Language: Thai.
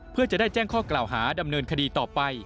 เพื่อจะได้แจ้งข้อกล่าวหาดำเนินคดีต่อไป